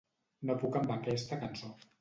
No puc amb aquesta cançó.